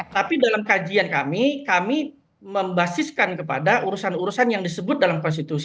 tapi dalam kajian kami kami membasiskan kepada urusan urusan yang disebut dalam konstitusi